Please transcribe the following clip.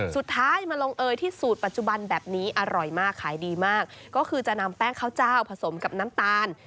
สุดท้ายมาลงเอยที่สูตรปัจจุบันแบบนี้อร่อยมากขายดีมากก็คือจะนำแป้งข้าวเจ้าผสมกับน้ำตาล